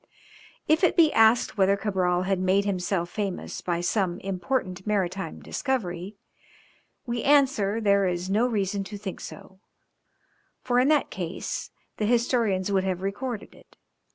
If it be asked whether Cabral had made himself famous by some important maritime discovery, we answer there is no reason to think so, for in that case the historians would have recorded it.